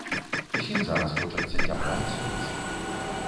Усім зараз хочацца цяпла і сонца.